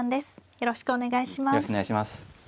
よろしくお願いします。